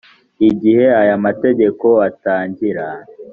igihe aya mategeko atangira